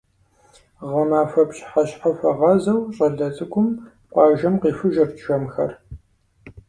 Гъэмахуэ пщыхьэщхьэхуэгъазэу щӏалэ цӏыкӏум къуажэм къихужырт жэмхэр.